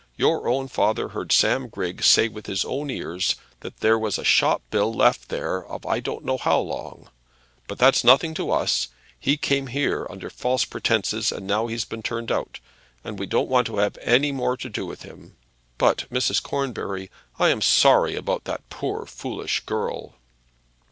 Your own father heard Sam Griggs say with his own ears that there was a shop bill left there of I don't know how long. But that's nothing to us. He came here under false pretences, and now he's been turned out, and we don't want to have any more to do with him. But, Mrs. Cornbury, I am sorry about that poor foolish girl."